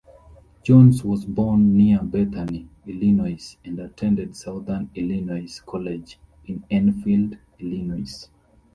Jones was born near Bethany, Illinois, and attended Southern Illinois College in Enfield, Illinois.